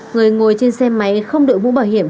người ngồi trên xe máy không đội mũ bảo hiểm